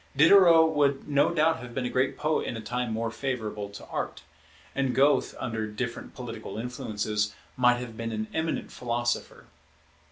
Diderot would no doubt have been a great poet in a time more favourable to art; and Goethe, under different political influences, might have been an eminent philosopher.